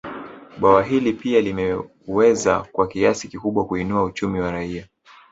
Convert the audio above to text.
Bwawa hili pia limeweza kwa kiasi kikubwa kuinua uchumi wa raia